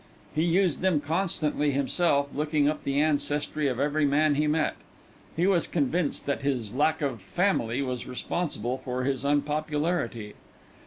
He used them constantly himself, looking up the ancestry of every man he met. He was convinced that his lack of "family" was responsible for his unpopularity.